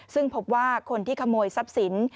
ซึ่งพบว่าคนที่ขโมยทรัพย์สิน